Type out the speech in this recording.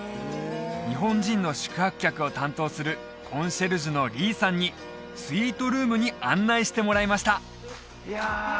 日本人の宿泊客を担当するコンシェルジュのリーさんにスイートルームに案内してもらいましたいや